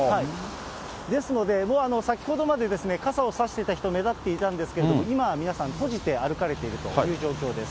ですので、もう、先ほどまで傘を差していた人、目立っていたんですが、今は皆さん、閉じて歩かれているという状況です。